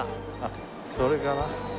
それかな？